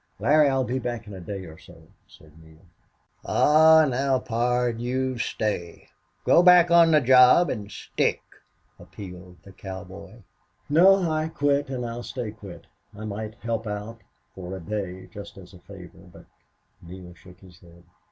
"Larry, I'll be back in a day or so," said Neale. "Aw, now, pard, you stay. Go back on the job an' stick," appealed the cowboy. "No. I quit and I'll stay quit. I might help out for a day just as a favor. But " Neale shook his head.